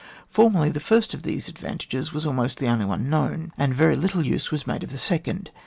Formerly, the first of these advantages was almost the only one known, and very little use was made of the second.